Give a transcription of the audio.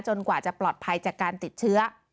กว่าจะปลอดภัยจากการติดเชื้อ